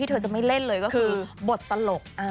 เธอจะไม่เล่นเลยก็คือบทตลก